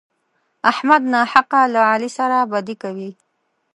احمد ناحقه له علي سره بدي کوي.